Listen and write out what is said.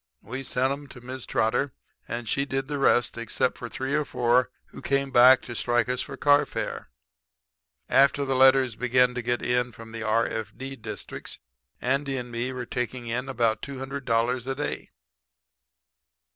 We sent 'em to Mrs. Trotter and she did the rest; except for three or four who came back to strike us for carfare. After the letters began to get in from the r.f.d. districts Andy and me were taking in about $200 a day.